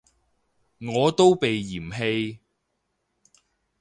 我都被嫌棄